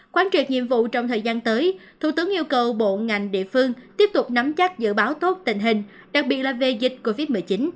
quán triệt nhiệm vụ trong thời gian tới thủ tướng yêu cầu bộ ngành địa phương tiếp tục nắm chắc dự báo tốt tình hình đặc biệt là về dịch covid một mươi chín